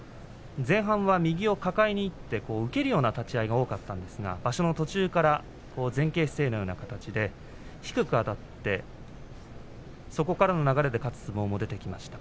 前半は右を抱えにいって受け身の立ち合いが多かったんですが場所の途中から前傾姿勢のような形で低くあたってそこからの流れで勝つ相撲も出てきました。